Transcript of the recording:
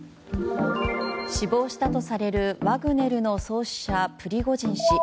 死亡したとされるワグネルの創始者プリゴジン氏。